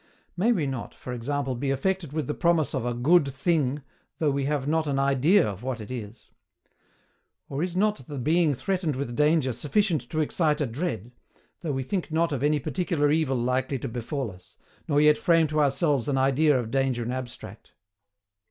May we not, for example, be affected with the promise of a GOOD THING, though we have not an idea of what it is? Or is not the being threatened with danger sufficient to excite a dread, though we think not of any particular evil likely to befal us, nor yet frame to ourselves an idea of danger in abstract?